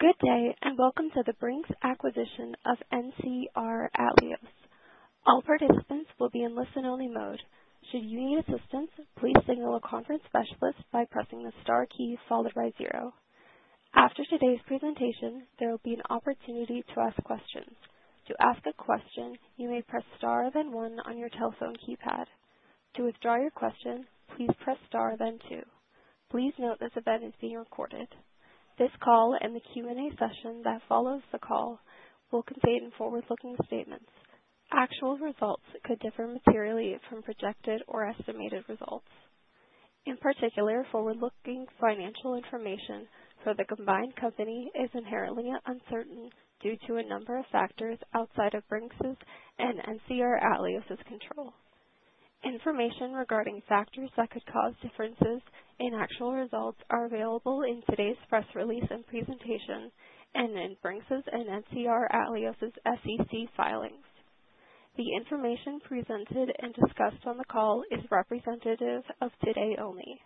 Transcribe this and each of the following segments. Good day. Welcome to the Brink's acquisition of NCR Atleos. All participants will be in listen-only mode. Should you need assistance, please signal a conference specialist by pressing the star key followed by zero. After today's presentation, there will be an opportunity to ask questions. To ask a question, you may press star then one on your telephone keypad. To withdraw your question, please press star then two. Please note this event is being recorded. This call and the Q&A session that follows the call will contain forward-looking statements. Actual results could differ materially from projected or estimated results. In particular, forward-looking financial information for the combined company is inherently uncertain due to a number of factors outside of Brink's and NCR Atleos's control. Information regarding factors that could cause differences in actual results are available in today's press release and presentation, and in Brink's and NCR Atleos' SEC filings. The information presented and discussed on the call is representative of today only.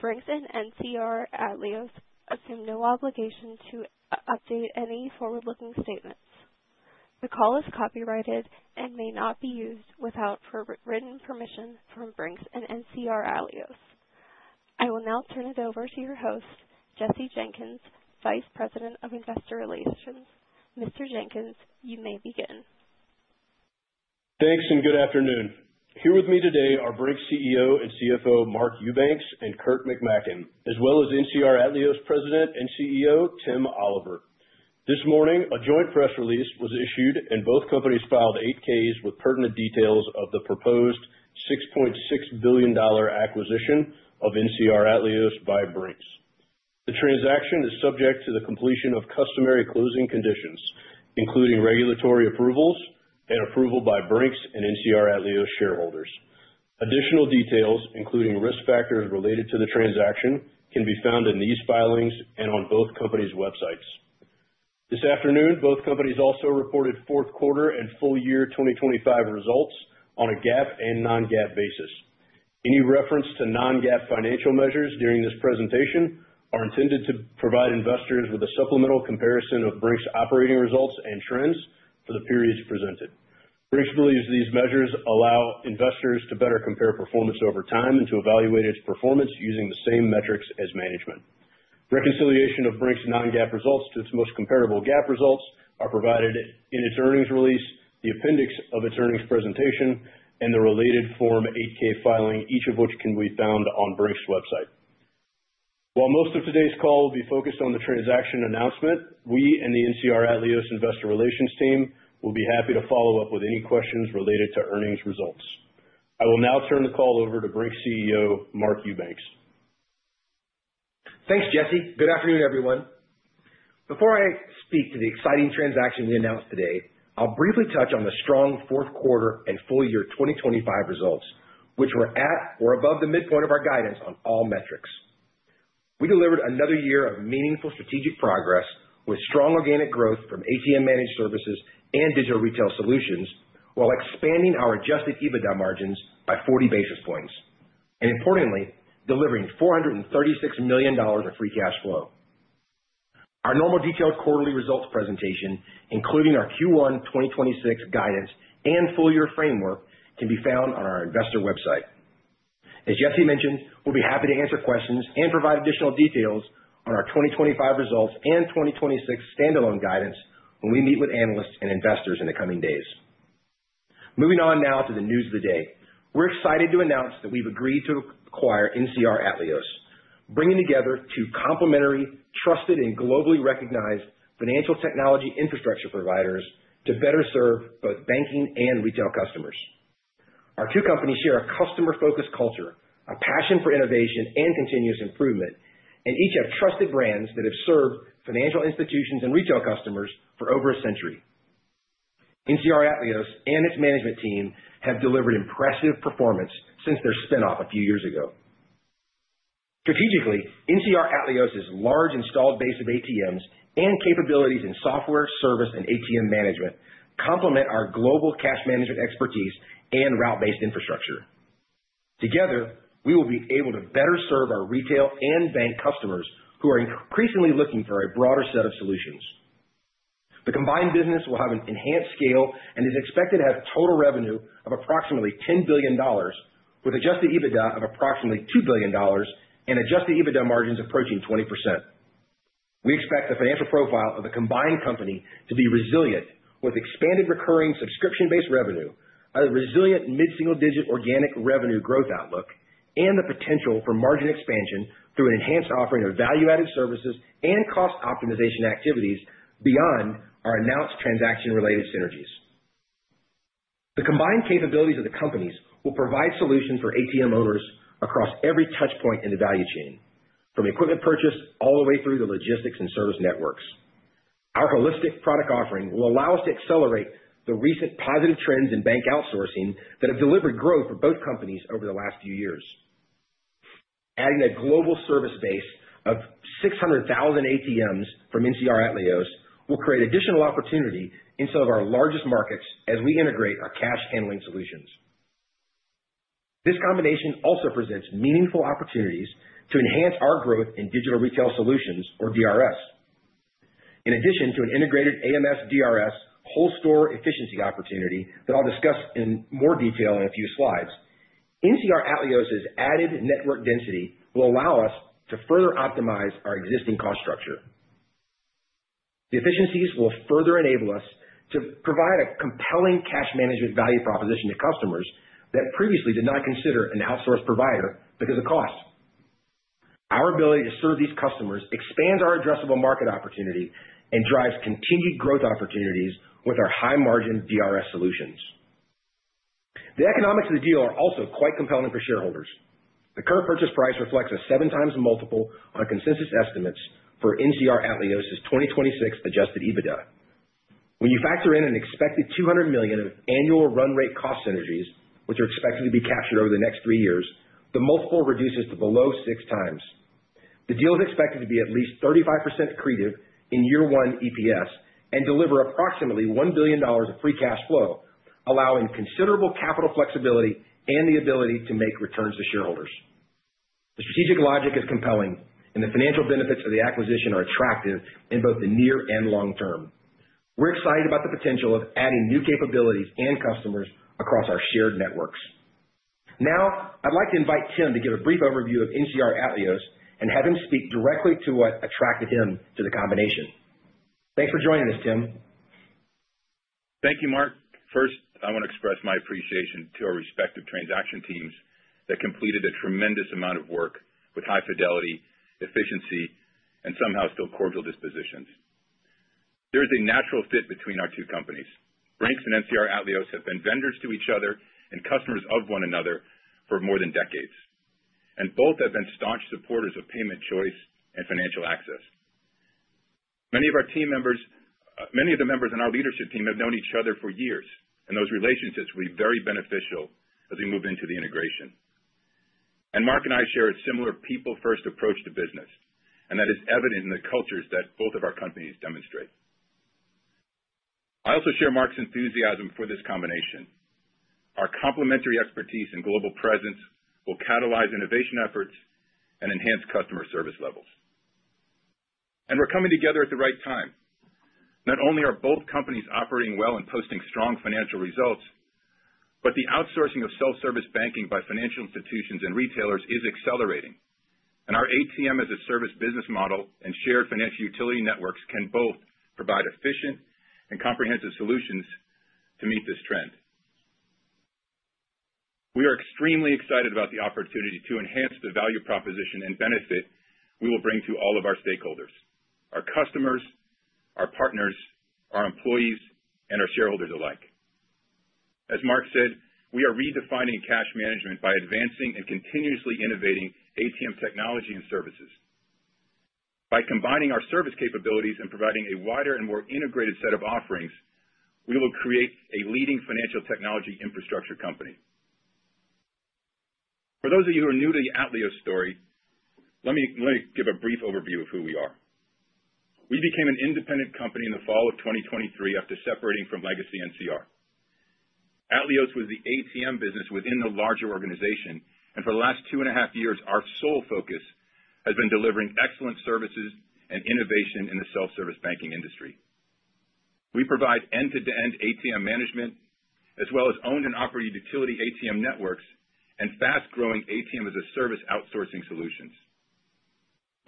Brink's and NCR Atleos assume no obligation to update any forward-looking statements. The call is copyrighted and may not be used without prior written permission from Brink's and NCR Atleos. I will now turn it over to your host, Jesse Jenkins, Vice President of Investor Relations. Mr. Jenkins, you may begin. Thanks. Good afternoon. Here with me today are Brink's CEO and CFO, Mark Eubanks and Kurt McMaken, as well as NCR Atleos President and CEO, Tim Oliver. This morning, a joint press release was issued, and both companies filed 8-Ks with pertinent details of the proposed $6.6 billion acquisition of NCR Atleos by Brink's. The transaction is subject to the completion of customary closing conditions, including regulatory approvals and approval by Brink's and NCR Atleos shareholders. Additional details, including risk factors related to the transaction, can be found in these filings and on both companies' websites. This afternoon, both companies also reported fourth quarter and full year 2025 results on a GAAP and non-GAAP basis. Any reference to non-GAAP financial measures during this presentation are intended to provide investors with a supplemental comparison of Brink's operating results and trends for the periods presented. Brink's believes these measures allow investors to better compare performance over time and to evaluate its performance using the same metrics as management. Reconciliation of Brink's non-GAAP results to its most comparable GAAP results are provided in its earnings release, the appendix of its earnings presentation, and the related Form 8-K filing, each of which can be found on Brink's website. While most of today's call will be focused on the transaction announcement, we and the NCR Atleos Investor Relations team will be happy to follow up with any questions related to earnings results. I will now turn the call over to Brink's CEO, Mark Eubanks. Thanks, Jesse. Good afternoon, everyone. Before I speak to the exciting transaction we announced today, I'll briefly touch on the strong fourth quarter and full year 2025 results, which were at or above the midpoint of our guidance on all metrics. We delivered another year of meaningful strategic progress with strong organic growth from ATM managed services and digital retail solutions, while expanding our adjusted EBITDA margins by 40 basis points, and importantly, delivering $436 million of free cash flow. Our normal detailed quarterly results presentation, including our Q1 2026 guidance and full year framework, can be found on our investor website. As Jesse mentioned, we'll be happy to answer questions and provide additional details on our 2025 results and 2026 standalone guidance when we meet with analysts and investors in the coming days. Moving on now to the news of the day. We're excited to announce that we've agreed to acquire NCR Atleos, bringing together two complementary, trusted, and globally recognized financial technology infrastructure providers to better serve both banking and retail customers. Our two companies share a customer-focused culture, a passion for innovation and continuous improvement, and each have trusted brands that have served financial institutions and retail customers for over a century. NCR Atleos and its management team have delivered impressive performance since their spin-off a few years ago. Strategically, NCR Atleos' large installed base of ATMs and capabilities in software, service, and ATM management complement our global cash management expertise and route-based infrastructure. Together, we will be able to better serve our retail and bank customers, who are increasingly looking for a broader set of solutions. The combined business will have an enhanced scale and is expected to have total revenue of approximately $10 billion, with adjusted EBITDA of approximately $2 billion and adjusted EBITDA margins approaching 20%. We expect the financial profile of the combined company to be resilient, with expanded recurring subscription-based revenue, a resilient mid-single-digit organic revenue growth outlook, and the potential for margin expansion through an enhanced offering of value-added services and cost optimization activities beyond our announced transaction-related synergies. The combined capabilities of the companies will provide solutions for ATM owners across every touch point in the value chain, from equipment purchase all the way through the logistics and service networks. Our holistic product offering will allow us to accelerate the recent positive trends in bank outsourcing that have delivered growth for both companies over the last few years. Adding a global service base of 600,000 ATMs from NCR Atleos will create additional opportunity in some of our largest markets as we integrate our cash handling solutions. This combination also presents meaningful opportunities to enhance our growth in digital retail solutions, or DRS. In addition to an integrated AMS DRS whole store efficiency opportunity that I'll discuss in more detail in a few slides, NCR Atleos' added network density will allow us to further optimize our existing cost structure. The efficiencies will further enable us to provide a compelling cash management value proposition to customers that previously did not consider an outsourced provider because of cost. Our ability to serve these customers expands our addressable market opportunity and drives continued growth opportunities with our high-margin DRS solutions. The economics of the deal are also quite compelling for shareholders. The current purchase price reflects a 7x multiple on consensus estimates for NCR Atleos' 2026 adjusted EBITDA. When you factor in an expected $200 million of annual run rate cost synergies, which are expected to be captured over the next three years, the multiple reduces to below 6x. The deal is expected to be at least 35% accretive in year one EPS and deliver approximately $1 billion of free cash flow, allowing considerable capital flexibility and the ability to make returns to shareholders. The strategic logic is compelling, and the financial benefits of the acquisition are attractive in both the near and long term. We're excited about the potential of adding new capabilities and customers across our shared networks. I'd like to invite Tim to give a brief overview of NCR Atleos and have him speak directly to what attracted him to the combination. Thanks for joining us, Tim. Thank you, Mark. First, I want to express my appreciation to our respective transaction teams that completed a tremendous amount of work with high fidelity, efficiency, and somehow still cordial dispositions. There is a natural fit between our two companies. Brink's and NCR Atleos have been vendors to each other and customers of one another for more than decades, and both have been staunch supporters of payment choice and financial access. Many of our team members, many of the members on our leadership team have known each other for years, and those relationships will be very beneficial as we move into the integration. Mark and I share a similar people-first approach to business, and that is evident in the cultures that both of our companies demonstrate. I also share Mark's enthusiasm for this combination. Our complementary expertise and global presence will catalyze innovation efforts and enhance customer service levels. We're coming together at the right time. Not only are both companies operating well and posting strong financial results, but the outsourcing of self-service banking by financial institutions and retailers is accelerating, and our ATM-as-a-Service business model and shared financial utility networks can both provide efficient and comprehensive solutions to meet this trend. We are extremely excited about the opportunity to enhance the value proposition and benefit we will bring to all of our stakeholders, our customers, our partners, our employees, and our shareholders alike. As Mark said, we are redefining cash management by advancing and continuously innovating ATM technology and services. By combining our service capabilities and providing a wider and more integrated set of offerings, we will create a leading financial technology infrastructure company. For those of you who are new to the Atleos story, let me give a brief overview of who we are. We became an independent company in the fall of 2023 after separating from legacy NCR. Atleos was the ATM business within the larger organization, and for the last two and a half years, our sole focus has been delivering excellent services and innovation in the self-service banking industry. We provide end-to-end ATM management, as well as owned and operated utility ATM networks and fast-growing ATM-as-a-Service outsourcing solutions.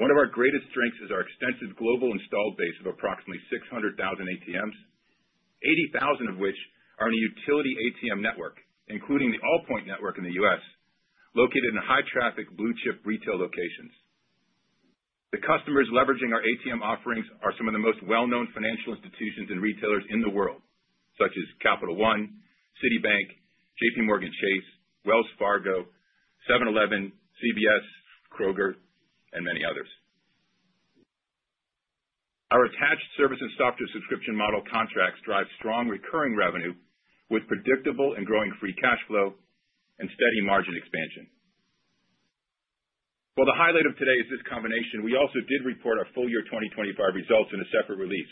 One of our greatest strengths is our extensive global installed base of approximately 600,000 ATMs, 80,000 of which are in a utility ATM network, including the Allpoint Network in the U.S., located in high-traffic, blue-chip retail locations. The customers leveraging our ATM offerings are some of the most well-known financial institutions and retailers in the world, such as Capital One, Citibank, JPMorgan Chase, Wells Fargo, 7-Eleven, CVS, Kroger, and many others. Our attached services software subscription model contracts drive strong recurring revenue with predictable and growing free cash flow and steady margin expansion. While the highlight of today is this combination, we also did report our full year 2025 results in a separate release.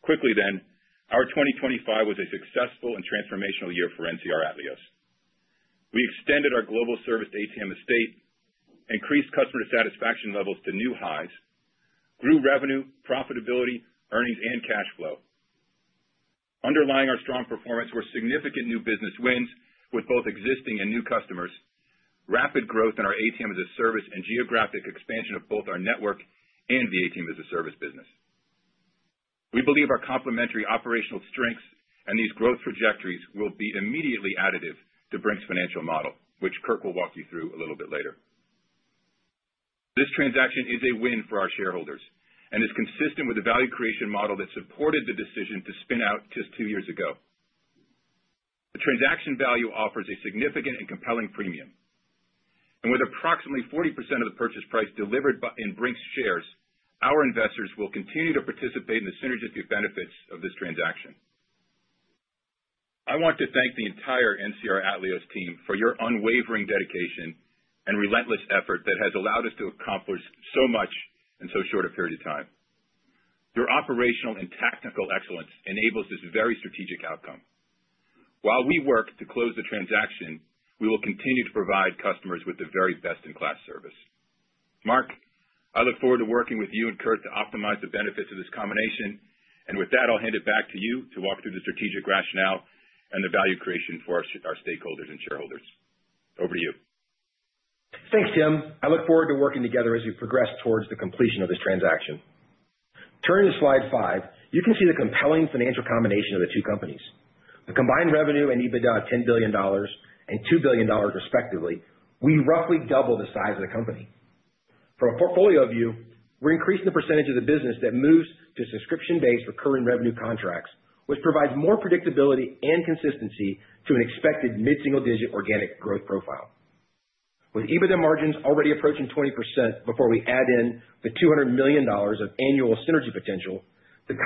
Quickly then, our 2025 was a successful and transformational year for NCR Atleos. We extended our global service ATM estate, increased customer satisfaction levels to new highs, grew revenue, profitability, earnings and cash flow. Underlying our strong performance were significant new business wins with both existing and new customers, rapid growth in our ATM-as-a-Service and geographic expansion of both our network and the ATM-as-a-Service business. We believe our complementary operational strengths and these growth trajectories will be immediately additive to Brink's financial model, which Kurt will walk you through a little bit later. This transaction is a win for our shareholders and is consistent with the value creation model that supported the decision to spin out just two years ago. The transaction value offers a significant and compelling premium, with approximately 40% of the purchase price delivered in Brink's shares, our investors will continue to participate in the synergistic benefits of this transaction. I want to thank the entire NCR Atleos team for your unwavering dedication and relentless effort that has allowed us to accomplish so much in so short a period of time. Your operational and tactical excellence enables this very strategic outcome. While we work to close the transaction, we will continue to provide customers with the very best-in-class service. Mark, I look forward to working with you and Kurt to optimize the benefits of this combination. With that, I'll hand it back to you to walk through the strategic rationale and the value creation for our stakeholders and shareholders. Over to you. Thanks, Tim. I look forward to working together as we progress towards the completion of this transaction. Turning to slide five, you can see the compelling financial combination of the two companies. The combined revenue and EBITDA of $10 billion and $2 billion, respectively, we roughly double the size of the company. From a portfolio view, we're increasing the percentage of the business that moves to subscription-based recurring revenue contracts, which provides more predictability and consistency to an expected mid-single digit organic growth profile. With EBITDA margins already approaching 20% before we add in the $200 million of annual synergy potential, the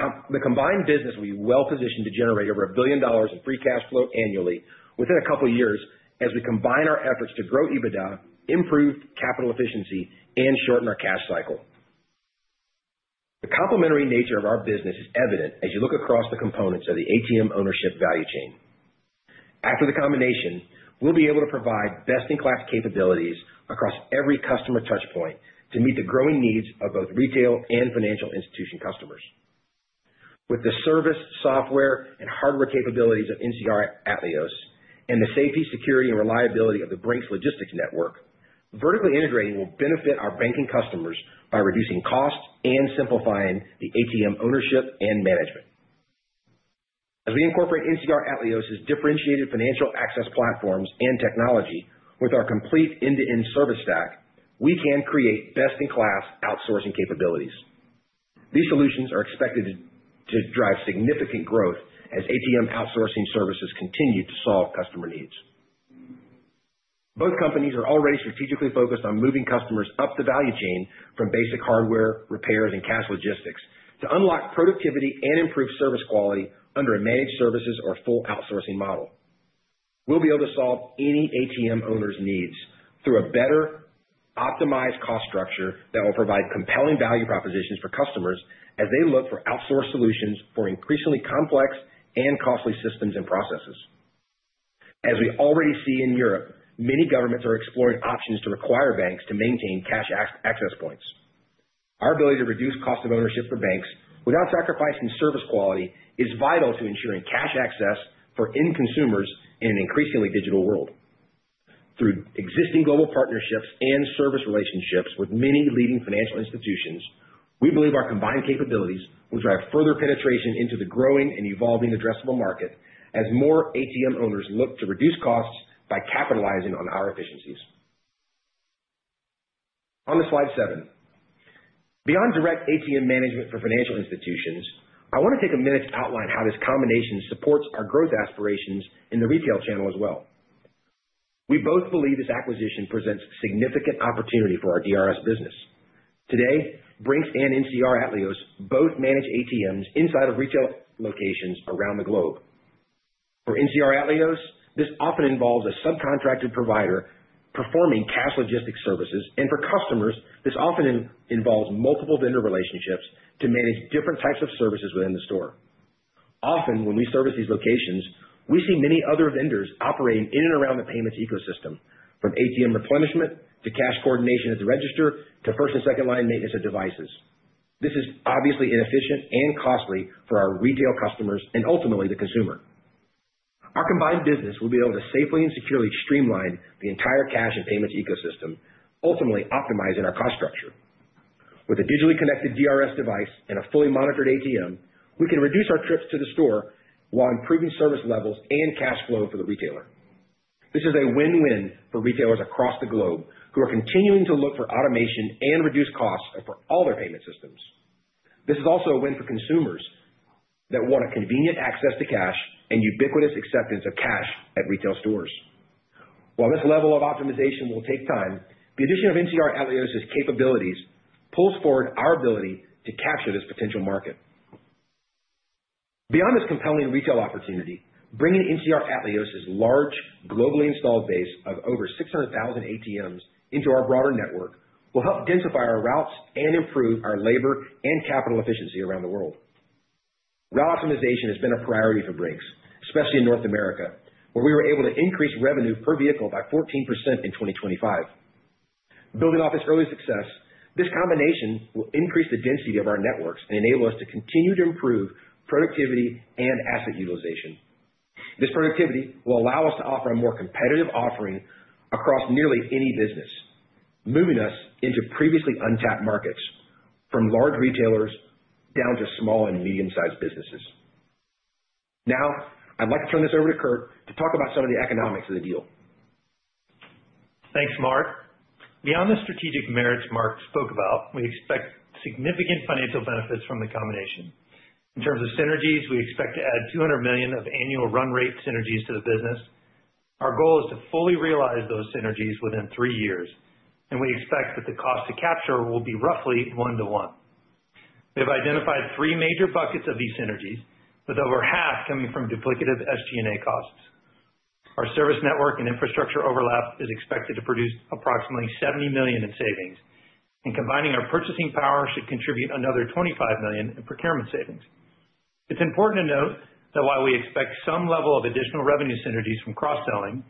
combined business will be well positioned to generate over $1 billion in free cash flow annually within a couple of years as we combine our efforts to grow EBITDA, improve capital efficiency, and shorten our cash cycle. The complementary nature of our business is evident as you look across the components of the ATM ownership value chain. After the combination, we'll be able to provide best-in-class capabilities across every customer touch point to meet the growing needs of both retail and financial institution customers. With the service, software, and hardware capabilities of NCR Atleos, and the safety, security, and reliability of the Brink's logistics network, vertically integrating will benefit our banking customers by reducing costs and simplifying the ATM ownership and management. As we incorporate NCR Atleos' differentiated financial access platforms and technology with our complete end-to-end service stack, we can create best-in-class outsourcing capabilities. These solutions are expected to drive significant growth as ATM outsourcing services continue to solve customer needs. Both companies are already strategically focused on moving customers up the value chain from basic hardware repairs and cash logistics to unlock productivity and improve service quality under a managed services or full outsourcing model. We'll be able to solve any ATM owner's needs through a better optimized cost structure that will provide compelling value propositions for customers as they look for outsourced solutions for increasingly complex and costly systems and processes. As we already see in Europe, many governments are exploring options to require banks to maintain cash access points. Our ability to reduce cost of ownership for banks without sacrificing service quality is vital to ensuring cash access for end consumers in an increasingly digital world. Through existing global partnerships and service relationships with many leading financial institutions, we believe our combined capabilities will drive further penetration into the growing and evolving addressable market as more ATM owners look to reduce costs by capitalizing on our efficiencies. On to slide seven. Beyond direct ATM management for financial institutions, I want to take a minute to outline how this combination supports our growth aspirations in the retail channel as well. We both believe this acquisition presents significant opportunity for our DRS business. Today, Brink's and NCR Atleos both manage ATMs inside of retail locations around the globe. For NCR Atleos, this often involves a subcontracted provider performing cash logistics services, and for customers, this often involves multiple vendor relationships to manage different types of services within the store. Often, when we service these locations, we see many other vendors operating in and around the payments ecosystem, from ATM replenishment to cash coordination at the register, to first and second line maintenance of devices. This is obviously inefficient and costly for our retail customers and ultimately the consumer. Our combined business will be able to safely and securely streamline the entire cash and payments ecosystem, ultimately optimizing our cost structure. With a digitally connected DRS device and a fully monitored ATM, we can reduce our trips to the store while improving service levels and cash flow for the retailer. This is a win-win for retailers across the globe who are continuing to look for automation and reduced costs for all their payment systems. This is also a win for consumers that want a convenient access to cash and ubiquitous acceptance of cash at retail stores. While this level of optimization will take time, the addition of NCR Atleos' capabilities pulls forward our ability to capture this potential market. Beyond this compelling retail opportunity, bringing NCR Atleos' large, globally installed base of over 600,000 ATMs into our broader network will help densify our routes and improve our labor and capital efficiency around the world. Route optimization has been a priority for Brink's, especially in North America, where we were able to increase revenue per vehicle by 14% in 2025. Building off this early success, this combination will increase the density of our networks and enable us to continue to improve productivity and asset utilization. This productivity will allow us to offer a more competitive offering across nearly any business, moving us into previously untapped markets, from large retailers down to small and medium-sized businesses. Now, I'd like to turn this over to Kurt to talk about some of the economics of the deal. Thanks, Mark. Beyond the strategic merits Mark spoke about, we expect significant financial benefits from the combination. In terms of synergies, we expect to add $200 million of annual run rate synergies to the business. Our goal is to fully realize those synergies within three years, and we expect that the cost to capture will be roughly one to one. We've identified three major buckets of these synergies, with over half coming from duplicative SG&A costs. Our service network and infrastructure overlap is expected to produce approximately $70 million in savings, and combining our purchasing power should contribute another $25 million in procurement savings. It's important to note that while we expect some level of additional revenue synergies from cross-selling,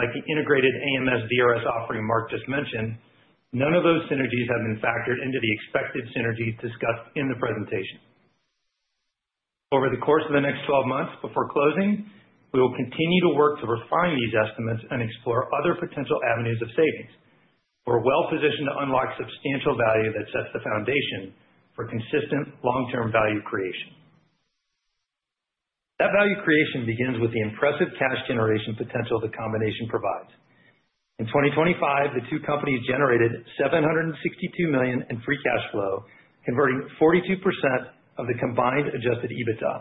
like the integrated AMS DRS offering Mark just mentioned, none of those synergies have been factored into the expected synergies discussed in the presentation. Over the course of the next 12 months before closing, we will continue to work to refine these estimates and explore other potential avenues of savings. We're well positioned to unlock substantial value that sets the foundation for consistent long-term value creation. That value creation begins with the impressive cash generation potential the combination provides. In 2025, the two companies generated $762 million in free cash flow, converting 42% of the combined adjusted EBITDA.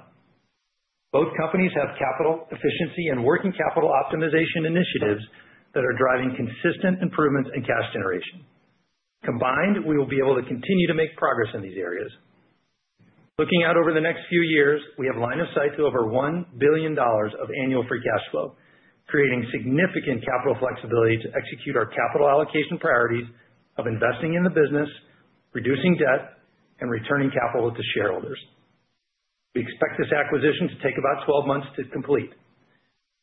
Both companies have capital efficiency and working capital optimization initiatives that are driving consistent improvements in cash generation. Combined, we will be able to continue to make progress in these areas. Looking out over the next few years, we have line of sight to over $1 billion of annual free cash flow, creating significant capital flexibility to execute our capital allocation priorities of investing in the business, reducing debt, and returning capital to shareholders. We expect this acquisition to take about 12 months to complete.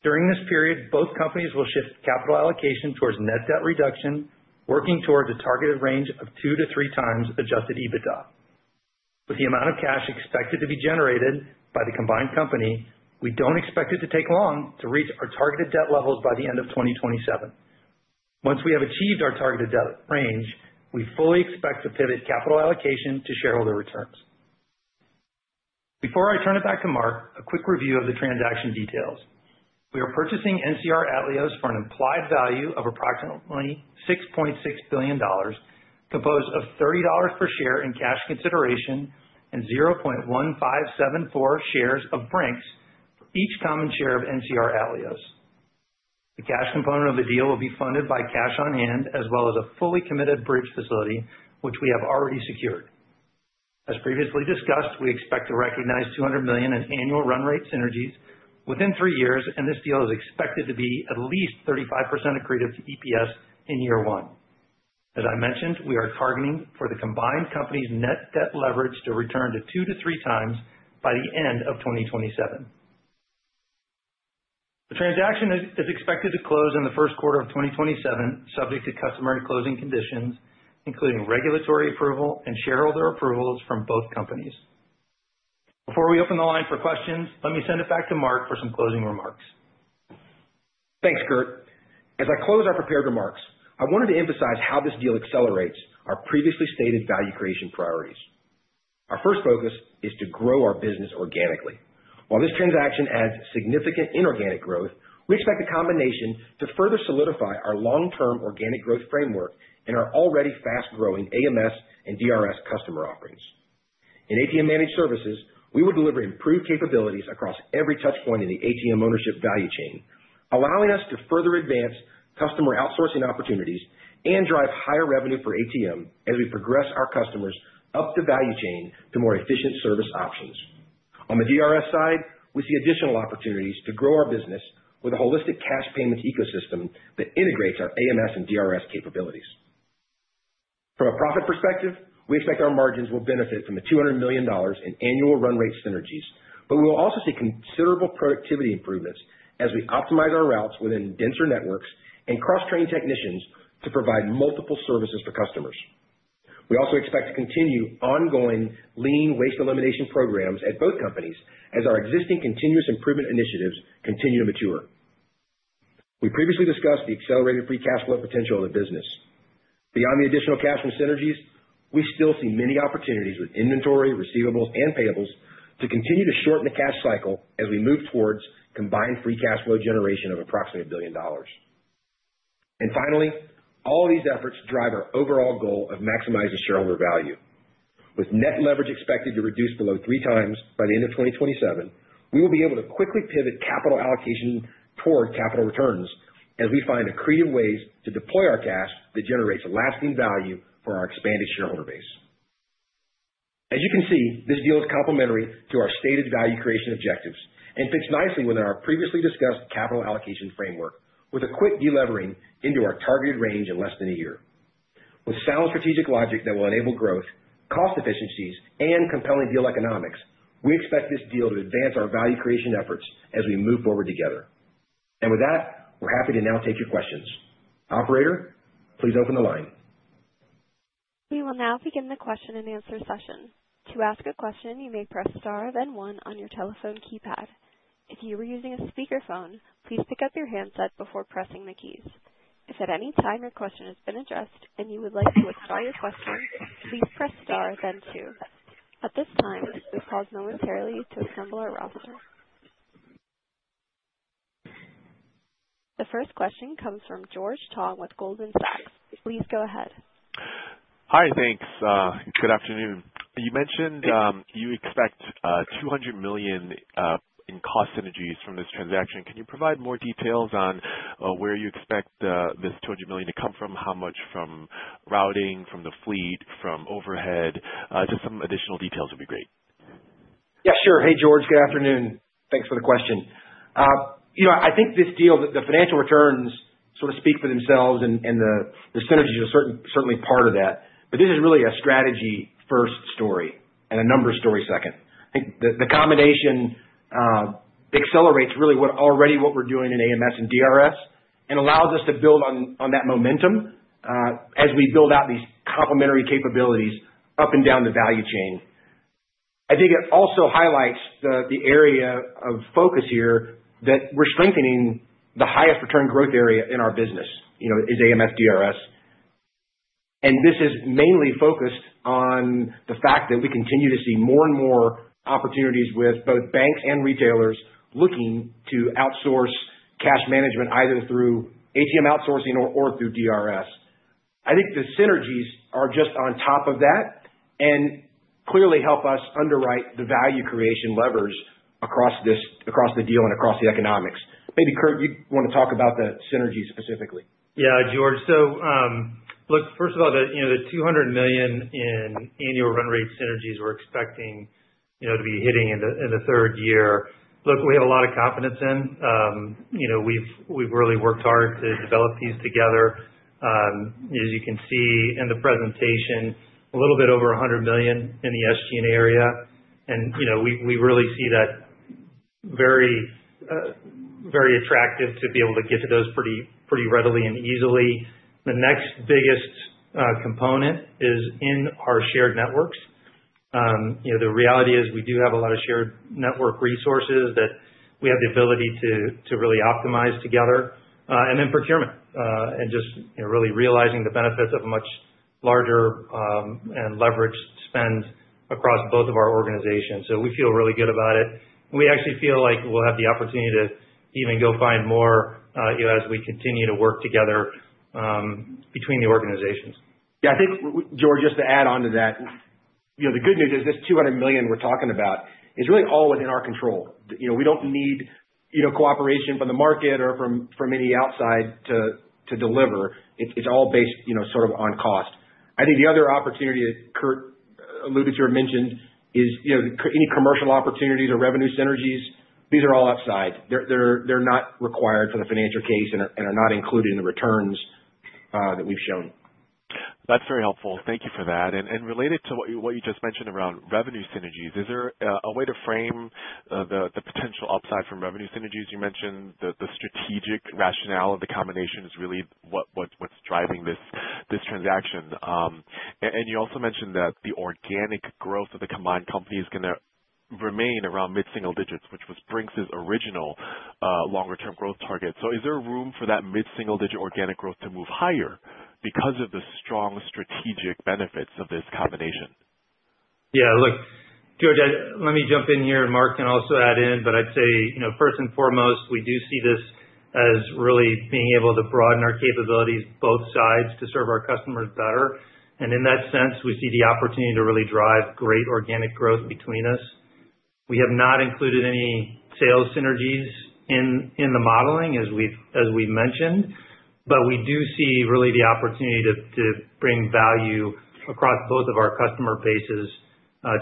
During this period, both companies will shift capital allocation towards net debt reduction, working towards a targeted range of 2-3 times adjusted EBITDA. With the amount of cash expected to be generated by the combined company, we don't expect it to take long to reach our targeted debt levels by the end of 2027. Once we have achieved our targeted debt range, we fully expect to pivot capital allocation to shareholder returns. Before I turn it back to Mark, a quick review of the transaction details. We are purchasing NCR Atleos for an implied value of approximately $6.6 billion, composed of $30 per share in cash consideration and 0.1574 shares of Brink's for each common share of NCR Atleos. The cash component of the deal will be funded by cash on hand, as well as a fully committed bridge facility, which we have already secured. As previously discussed, we expect to recognize $200 million in annual run rate synergies within three years, and this deal is expected to be at least 35% accretive to EPS in year one. As I mentioned, we are targeting for the combined company's net debt leverage to return to 2x-3x by the end of 2027. The transaction is expected to close in the first quarter of 2027, subject to customary closing conditions, including regulatory approval and shareholder approvals from both companies. Before we open the line for questions, let me send it back to Mark for some closing remarks. Thanks, Kurt. As I close our prepared remarks, I wanted to emphasize how this deal accelerates our previously stated value creation priorities. Our first focus is to grow our business organically. While this transaction adds significant inorganic growth, we expect the combination to further solidify our long-term organic growth framework in our already fast-growing AMS and DRS customer offerings. In ATM managed services, we will deliver improved capabilities across every touch point in the ATM ownership value chain, allowing us to further advance customer outsourcing opportunities and drive higher revenue for ATM as we progress our customers up the value chain to more efficient service options. On the DRS side, we see additional opportunities to grow our business with a holistic cash payment ecosystem that integrates our AMS and DRS capabilities. From a profit perspective, we expect our margins will benefit from the $200 million in annual run rate synergies, but we will also see considerable productivity improvements as we optimize our routes within denser networks and cross-train technicians to provide multiple services to customers. We also expect to continue ongoing lean waste elimination programs at both companies as our existing continuous improvement initiatives continue to mature. We previously discussed the accelerated free cash flow potential of the business. Beyond the additional cash from synergies, we still see many opportunities with inventory, receivables, and payables to continue to shorten the cash cycle as we move towards combined free cash flow generation of approximately $1 billion. Finally, all of these efforts drive our overall goal of maximizing shareholder value. With net leverage expected to reduce below 3x by the end of 2027, we will be able to quickly pivot capital allocation toward capital returns as we find accretive ways to deploy our cash that generates lasting value for our expanded shareholder base. As you can see, this deal is complementary to our stated value creation objectives and fits nicely within our previously discussed capital allocation framework with a quick delevering into our targeted range in less than one year. With sound strategic logic that will enable growth, cost efficiencies, and compelling deal economics, we expect this deal to advance our value creation efforts as we move forward together. With that, we're happy to now take your questions. Operator, please open the line. We will now begin the question and answer session. To ask a question, you may press star one on your telephone keypad. If you are using a speakerphone, please pick up your handset before pressing the keys. If at any time your question has been addressed and you would like to withdraw your question, please press star two. At this time, we pause momentarily to assemble our roster. The first question comes from George Tong with Goldman Sachs. Please go ahead. Hi, thanks. good afternoon. You mentioned, you expect $200 million in cost synergies from this transaction. Can you provide more details on where you expect this $200 million to come from, how much from routing, from the fleet, from overhead? Just some additional details would be great. Yeah, sure. Hey, George, good afternoon. Thanks for the question. You know, I think this deal, the financial returns sort of speak for themselves and the synergies are certainly part of that. This is really a strategy first story and a numbers story second. I think the combination accelerates really what we're doing in AMS and DRS, and allows us to build on that momentum as we build out these complementary capabilities up and down the value chain. I think it also highlights the area of focus here, that we're strengthening the highest return growth area in our business, you know, is AMS DRS. This is mainly focused on the fact that we continue to see more and more opportunities with both banks and retailers looking to outsource cash management, either through ATM outsourcing or through DRS. I think the synergies are just on top of that, and clearly help us underwrite the value creation levers across the deal and across the economics. Maybe, Kurt, you want to talk about the synergies specifically? George. Look, first of all, you know, the $200 million in annual run rate synergies we're expecting, you know, to be hitting in the third year. Look, we have a lot of confidence in, you know, we've really worked hard to develop these together. As you can see in the presentation, a little bit over $100 million in the SG&A area, and, you know, we really see that very attractive to be able to get to those pretty readily and easily. The next biggest component is in our shared networks. You know, the reality is we do have a lot of shared network resources that we have the ability to really optimize together. Procurement, and just, you know, really realizing the benefits of a much larger, and leveraged spend across both of our organizations. We feel really good about it. We actually feel like we'll have the opportunity to even go find more, you know, as we continue to work together, between the organizations. Yeah, I think George, just to add on to that, you know, the good news is this $200 million we're talking about is really all within our control. You know, we don't need, you know, cooperation from the market or from any outside to deliver. It's all based, you know, sort of on cost. I think the other opportunity that Kurt alluded to or mentioned is, you know, any commercial opportunities or revenue synergies, these are all outside. They're not required for the financial case and are not included in the returns that we've shown. That's very helpful. Thank you for that. Related to what you just mentioned around revenue synergies, is there a way to frame the potential upside from revenue synergies? You mentioned the strategic rationale of the combination is really what's driving this transaction. You also mentioned that the organic growth of the combined company is gonna remain around mid-single digits, which was Brink's original longer-term growth target. Is there room for that mid-single-digit organic growth to move higher because of the strong strategic benefits of this combination? Yeah, look, George, let me jump in here, and Mark can also add in, but I'd say, you know, first and foremost, we do see this as really being able to broaden our capabilities, both sides, to serve our customers better. In that sense, we see the opportunity to really drive great organic growth between us. We have not included any sales synergies in the modeling, as we've mentioned, but we do see really the opportunity to bring value across both of our customer bases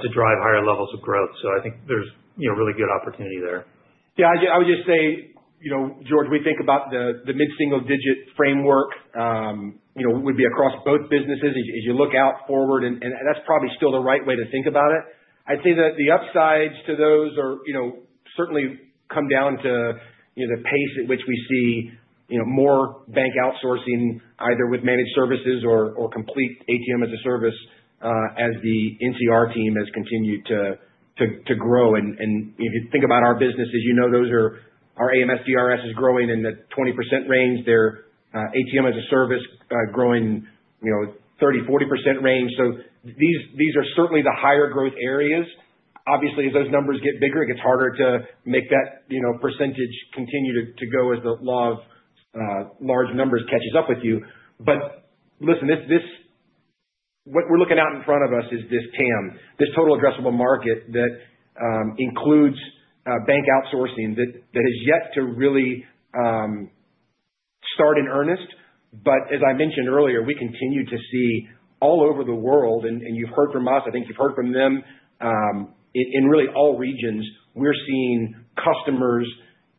to drive higher levels of growth. I think there's, you know, really good opportunity there. I would just say, you know, George, we think about the mid-single digit framework, you know, would be across both businesses as you look out forward, and that's probably still the right way to think about it. I'd say that the upsides to those are, you know, certainly come down to, you know, the pace at which we see, you know, more bank outsourcing, either with managed services or complete ATM-as-a-Service, as the NCR team has continued to grow. If you think about our businesses, you know, those are. Our AMS DRS is growing in the 20% range. Their ATM-as-a-Service, growing, you know, 30%-40% range. These are certainly the higher growth areas. Obviously, as those numbers get bigger, it gets harder to make that, you know, percentage continue to go as the law of large numbers catches up with you. Listen, this what we're looking out in front of us is this TAM, this total addressable market, that includes bank outsourcing, that has yet to really start in earnest. As I mentioned earlier, we continue to see all over the world, and you've heard from us, I think you've heard from them, in really all regions, we're seeing customers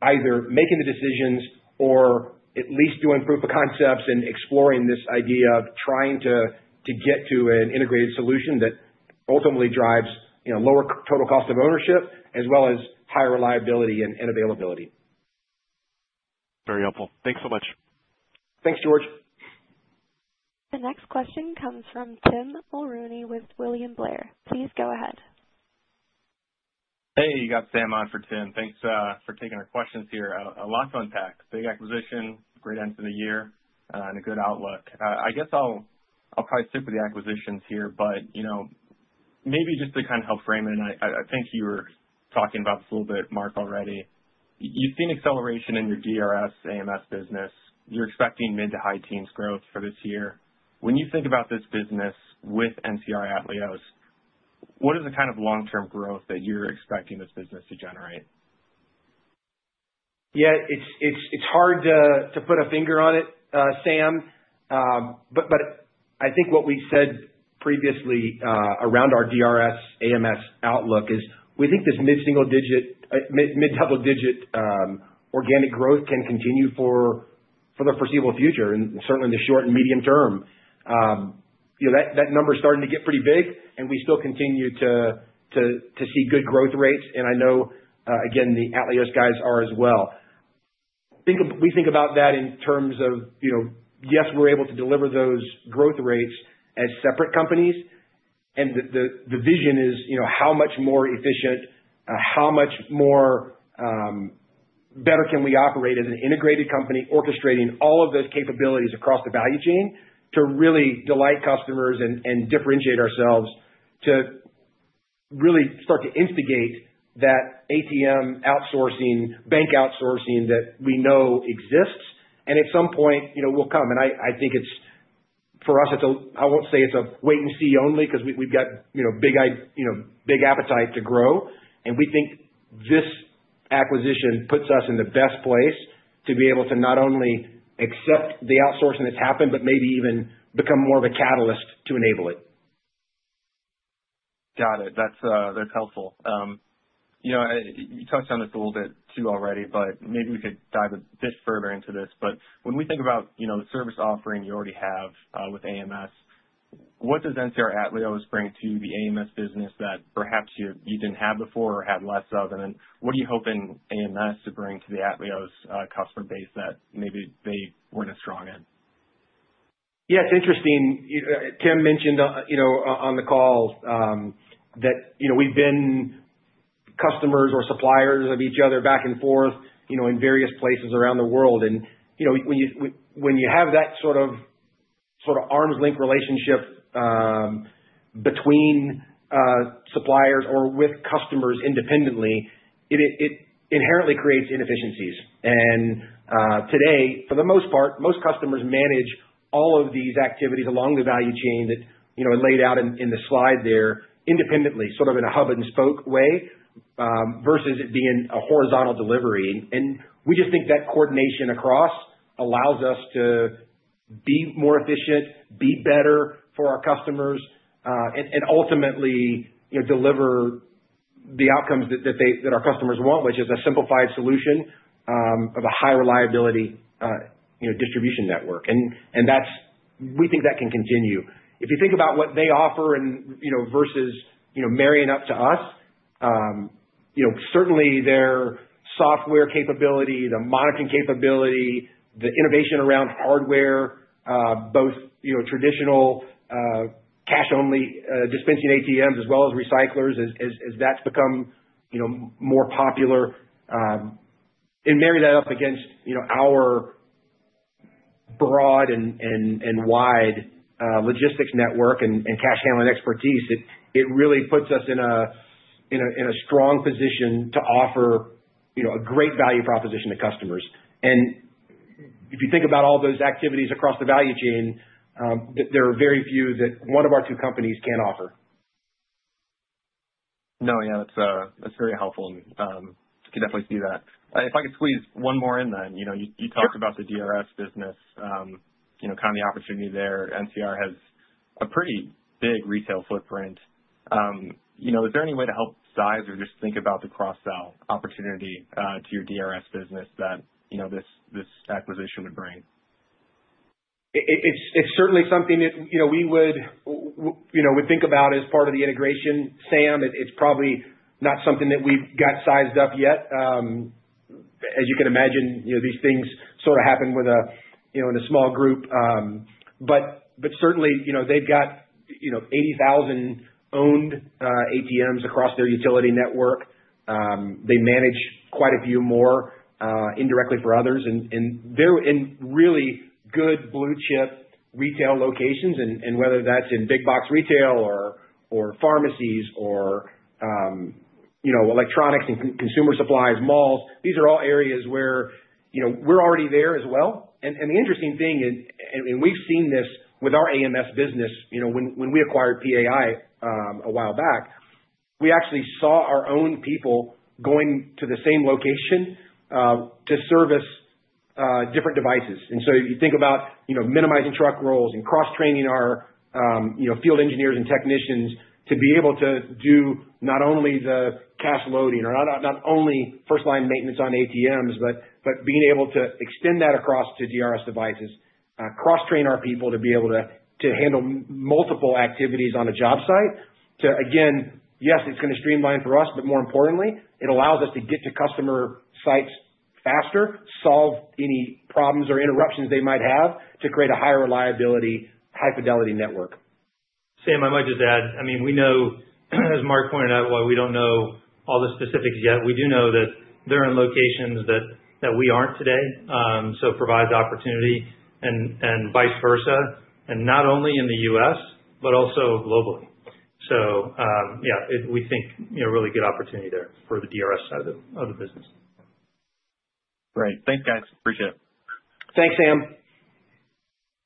either making the decisions or at least doing proof of concepts and exploring this idea of trying to get to an integrated solution that ultimately drives, you know, lower total cost of ownership, as well as higher reliability and availability. Very helpful. Thanks so much. Thanks, George. The next question comes from Tim Mulrooney with William Blair. Please go ahead. Hey, you got Sam on for Tim. Thanks for taking the questions here. A lot to unpack, big acquisition, great end to the year, and a good outlook. I guess I'll probably stick with the acquisitions here, but, you know, maybe just to kind of help frame it, I, I think you were talking about this a little bit, Mark, already. You've seen acceleration in your DRS AMS business. You're expecting mid to high teens growth for this year. When you think about this business with NCR Atleos, what is the kind of long-term growth that you're expecting this business to generate? Yeah, it's hard to put a finger on it, Sam. I think what we said previously, around our DRS AMS outlook is we think this mid-single digit, mid-double digit, organic growth can continue for the foreseeable future, and certainly in the short and medium term. You know, that number's starting to get pretty big, and we still continue to see good growth rates. I know, again, the Atleos guys are as well. We think about that in terms of, you know, yes, we're able to deliver those growth rates as separate companies, and the vision is, you know, how much more efficient, how much more better can we operate as an integrated company, orchestrating all of those capabilities across the value chain to really delight customers and differentiate ourselves, to really start to instigate that ATM outsourcing, bank outsourcing that we know exists, and at some point, you know, will come? I think it's, for us, I won't say it's a wait and see only, 'cause we've got, you know, big, you know, big appetite to grow. We think this acquisition puts us in the best place to be able to not only accept the outsourcing that's happened, but maybe even become more of a catalyst to enable it. Got it. That's, that's helpful. You know, you touched on this a little bit, too, already, but maybe we could dive a bit further into this, but when we think about, you know, the service offering you already have, with AMS, what does NCR Atleos bring to the AMS business that perhaps you didn't have before or had less of? What are you hoping AMS to bring to the Atleos customer base that maybe they weren't as strong in? Yeah, it's interesting. Tim mentioned, you know, on the call, that, you know, we've been customers or suppliers of each other back and forth, you know, in various places around the world. You know, when you, when you have that sort of arms-length relationship, between suppliers or with customers independently, it inherently creates inefficiencies. Today, for the most part, most customers manage all of these activities along the value chain that, you know, are laid out in the slide there independently, sort of in a hub-and-spoke way, versus it being a horizontal delivery. We just think that coordination across allows us to be more efficient, be better for our customers, and ultimately, you know, deliver the outcomes that our customers want, which is a simplified solution of a high reliability, you know, distribution network. We think that can continue. If you think about what they offer and, you know, versus, you know, marrying up to us, you know, certainly their software capability, the monitoring capability, the innovation around hardware, both, you know, traditional cash only dispensing ATMs as well as recyclers, as that's become, you know, more popular. Marry that up against, you know, our broad and wide logistics network and cash handling expertise, it really puts us in a strong position to offer, you know, a great value proposition to customers. If you think about all those activities across the value chain, there are very few that one of our two companies can't offer. No, yeah, that's very helpful. Can definitely see that. If I could squeeze one more in, then. Sure. You talked about the DRS business, you know, kind of the opportunity there. NCR has a pretty big retail footprint. You know, is there any way to help size or just think about the cross-sell opportunity to your DRS business that, you know, this acquisition would bring? It's certainly something that, you know, we would, you know, would think about as part of the integration, Sam. It's probably not something that we've got sized up yet. As you can imagine, you know, these things sort of happen with a, you know, in a small group. But certainly, you know, they've got, you know, 80,000 owned ATMs across their utility network. They manage quite a few more indirectly for others. They're in really good blue chip retail locations, and whether that's in big box retail or pharmacies or, you know, electronics and consumer supplies, malls, these are all areas where, you know, we're already there as well. The interesting thing is, and we've seen this with our AMS business, you know, when we acquired PAI, a while back, we actually saw our own people going to the same location, to service different devices. So if you think about, you know, minimizing truck rolls and cross-training our, you know, field engineers and technicians to be able to do not only the cash loading or not only first-line maintenance on ATMs, but being able to extend that across to DRS devices, cross-train our people to be able to handle multiple activities on a job site. Again, yes, it's gonna streamline for us, but more importantly, it allows us to get to customer sites faster, solve any problems or interruptions they might have, to create a higher reliability, high fidelity network. Sam, I might just add, I mean, we know, as Mark pointed out, while we don't know all the specifics yet, we do know that they're in locations that we aren't today. It provides opportunity and vice versa, and not only in the U.S., but also globally. Yeah, we think, you know, a really good opportunity there for the DRS side of the, of the business. Great. Thanks, guys. Appreciate it. Thanks, Sam.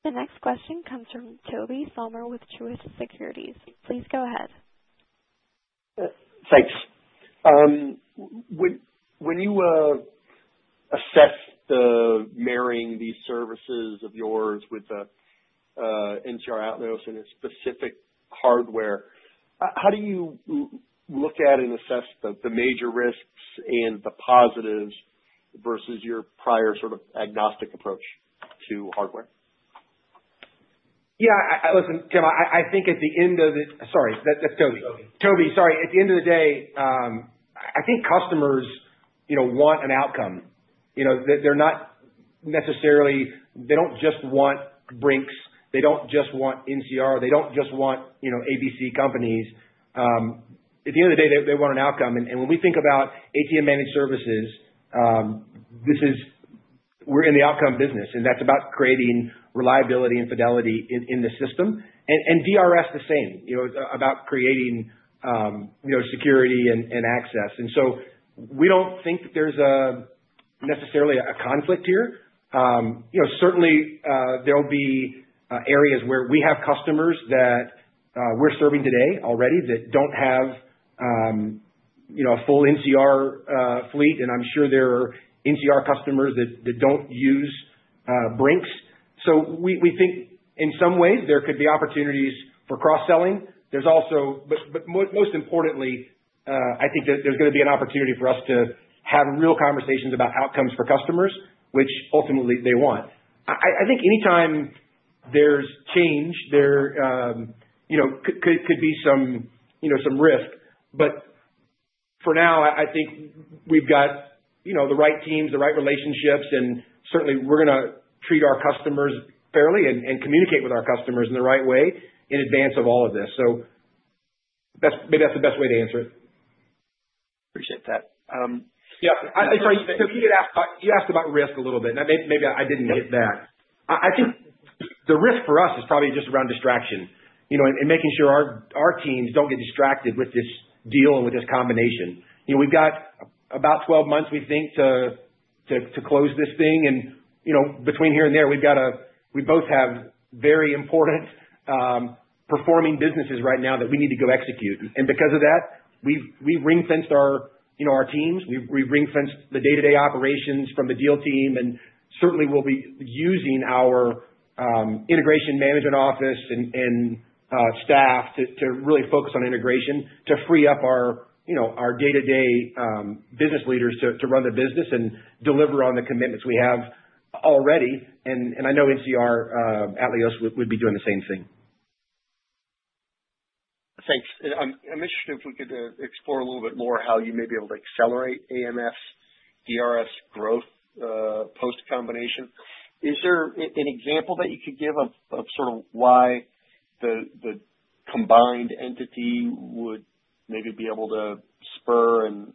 The next question comes from Tobey Sommer with Truist Securities. Please go ahead. Thanks. When you assess the marrying these services of yours with the NCR Atleos and its specific hardware, how do you look at and assess the major risks and the positives versus your prior sort of agnostic approach to hardware? Yeah, listen, Kevin, I think at the end of sorry, that's Tobey. Toby. Tobey, sorry. At the end of the day, I think customers, you know, want an outcome. You know, they don't just want Brink's, they don't just want NCR, they don't just want, you know, ABC companies. At the end of the day, they want an outcome, and when we think about ATM managed services, we're in the outcome business, and that's about creating reliability and fidelity in the system. DRS the same, you know, it's about creating, you know, security and access. We don't think that there's a necessarily a conflict here. You know, certainly, there'll be areas where we have customers that we're serving today already, that don't have, you know, a full NCR fleet, and I'm sure there are NCR customers that don't use Brink's. We think in some ways there could be opportunities for cross-selling. There's also. Most importantly, I think that there's gonna be an opportunity for us to have real conversations about outcomes for customers, which ultimately they want. I think anytime there's change, there, you know, could be some, you know, some risk. For now, I think we've got, you know, the right teams, the right relationships, and certainly we're gonna treat our customers fairly and communicate with our customers in the right way in advance of all of this. Maybe that's the best way to answer it. Appreciate that. Yeah, I, sorry, Tobey, you asked about, you asked about risk a little bit, and maybe I didn't hit that. I think the risk for us is probably just around distraction, you know, and making sure our teams don't get distracted with this deal and with this combination. You know, we've got about 12 months, we think, to close this thing and, you know, between here and there, we've got to we both have very important performing businesses right now that we need to go execute. Because of that, we've ring-fenced our, you know, our teams. We've ring-fenced the day-to-day operations from the deal team, and certainly we'll be using our integration management office and staff to really focus on integration, to free up our, you know, our day-to-day business leaders to run the business and deliver on the commitments we have already. I know NCR Atleos would be doing the same thing. Thanks. I'm interested if we could explore a little bit more how you may be able to accelerate AMS DRS growth post-combination. Is there an example that you could give of sort of why the combined entity would maybe be able to spur and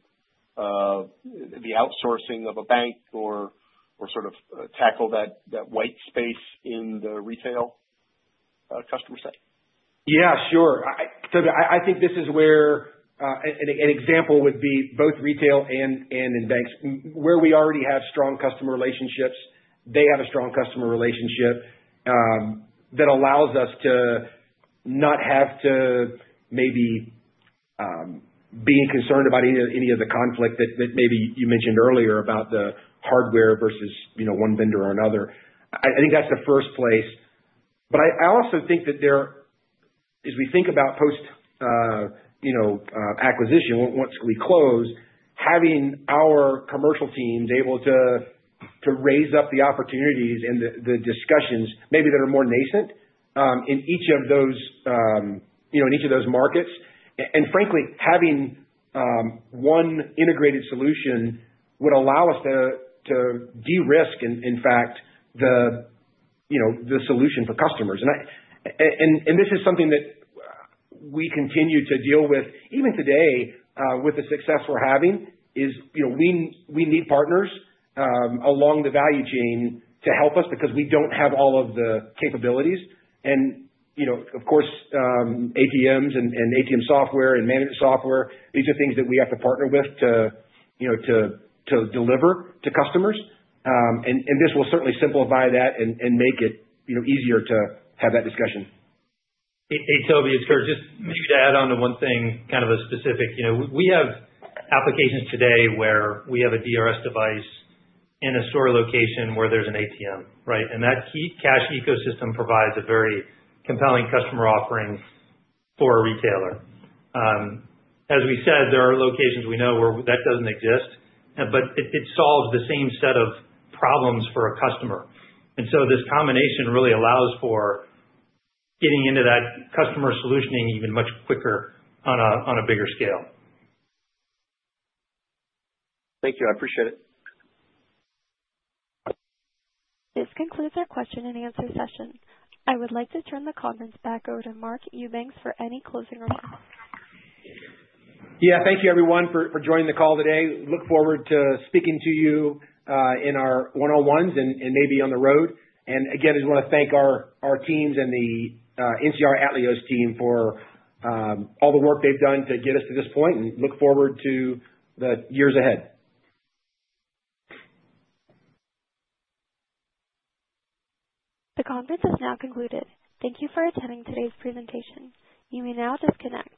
the outsourcing of a bank or sort of tackle that white space in the retail customer set? Yeah, sure. I think this is where an example would be both retail and in banks, where we already have strong customer relationships, they have a strong customer relationship, that allows us to not have to maybe be concerned about any of the conflict that maybe you mentioned earlier about the hardware versus, you know, one vendor or another. I think that's the first place. I also think that as we think about post, you know, acquisition, once we close, having our commercial teams able to raise up the opportunities and the discussions, maybe that are more nascent, in each of those, you know, in each of those markets. Frankly, having one integrated solution would allow us to de-risk in fact, the, you know, the solution for customers. This is something that we continue to deal with, even today, with the success we're having is, you know, we need partners along the value chain to help us because we don't have all of the capabilities. Of course, ATMs and ATM software and management software, these are things that we have to partner with to, you know, to deliver to customers. This will certainly simplify that and make it, you know, easier to have that discussion. Hey, hey, Tobey, it's Kurt. Just maybe to add on to one thing, kind of a specific, you know, we have applications today where we have a DRS device in a store location where there's an ATM, right? That key cash ecosystem provides a very compelling customer offering for a retailer. As we said, there are locations we know where that doesn't exist, but it solves the same set of problems for a customer. This combination really allows for getting into that customer solutioning even much quicker on a bigger scale. Thank you. I appreciate it. This concludes our question and answer session. I would like to turn the conference back over to Mark Eubanks for any closing remarks. Yeah. Thank you everyone for joining the call today. Look forward to speaking to you in our one-on-ones and maybe on the road. Again, I just wanna thank our teams and the NCR Atleos team for all the work they've done to get us to this point, and look forward to the years ahead. The conference has now concluded. Thank you for attending today's presentation. You may now disconnect.